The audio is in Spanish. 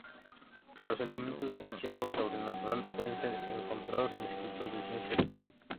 Los elementos de ficción sobrenatural pueden ser encontrados en escritos de ciencia ficción.